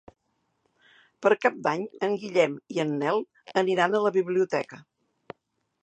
Per Cap d'Any en Guillem i en Nel aniran a la biblioteca.